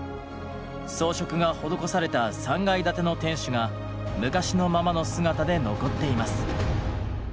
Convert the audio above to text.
装飾が施された３階建ての天守が昔のままの姿で残っています。